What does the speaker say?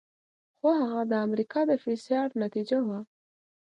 خو هغه د امریکا د فشار نتیجه وه.